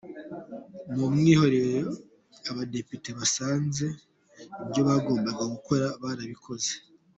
Mu mwiherero Abadepite, basanze ibyobagombaga gukora barabikoze